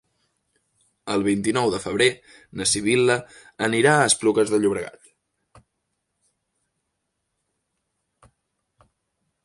El vint-i-nou de febrer na Sibil·la anirà a Esplugues de Llobregat.